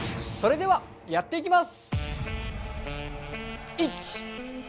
それではやっていきます！